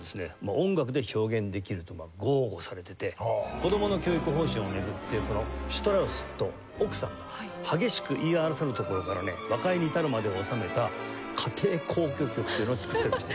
音楽で表現できると豪語されてて子供の教育方針を巡ってこのシュトラウスと奥さんと激しく言い争うところからね和解に至るまでを収めた『家庭交響曲』というのを作ったりもして。